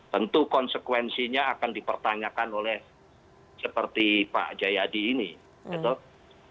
tentu konsekuensinya akan dipertanyakan oleh seperti pak jayadi ini gitu